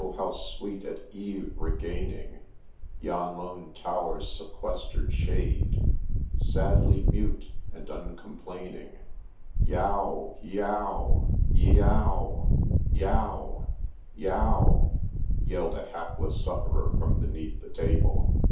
how sweet at eve regaining Yon lone tower's sequester'd shade — Sadly mute and uncomplaining '— Yow !— yeougb !— yeough !— yow !— yow I yelled a hapless sufferer from beneath the table.